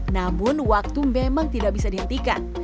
namun waktu memang tidak bisa dihentikan